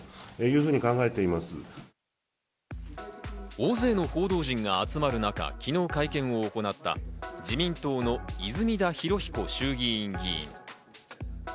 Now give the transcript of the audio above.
大勢の報道陣が集まる中、昨日会見を行った自民党の泉田裕彦衆議院議員。